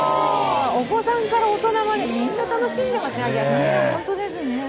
お子さんから大人までみんな楽しんでますね。